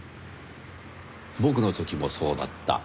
僕の時もそうだった？